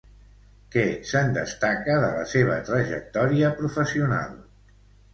Què se'n destaca de la seva trajectòria professional?